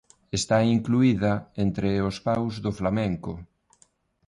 Está incluída entre os paus do flamenco.